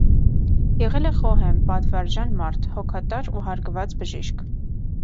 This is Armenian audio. Եղել է խոհեմ, պատվարժան մարդ, հոգատար ու հարգված բժիշկ։